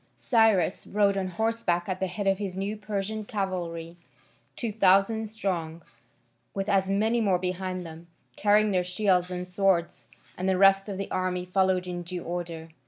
Cyrus rode on horseback at the head of his new Persian cavalry, two thousand strong, with as many more behind them, carrying their shields and swords, and the rest of the army followed in due order.